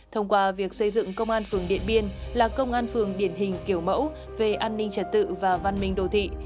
thông qua việc xây dựng công an phường điện biên là công an phường điển hình kiểu mẫu về an ninh trật tự và văn minh đồ thị